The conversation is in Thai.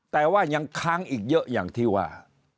แต่ว่ายังค้างอีกเยอะอย่างที่ว่า